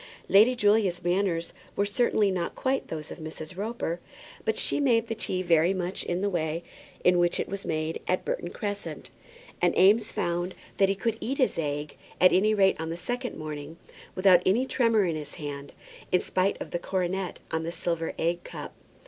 Lady Julia's manners were certainly not quite those of Mrs. Roper; but she made the tea very much in the way in which it was made at Burton Crescent, and Eames found that he could eat his egg, at any rate on the second morning, without any tremor in his hand, in spite of the coronet on the silver egg cup.